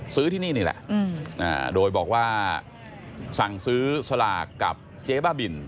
ที่นี่นี่แหละโดยบอกว่าสั่งซื้อสลากกับเจ๊บ้าบิน